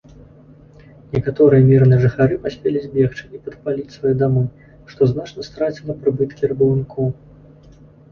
Некаторыя мірныя жыхары паспелі збегчы і падпаліць свае дамы, што значна страціла прыбыткі рабаўнікоў.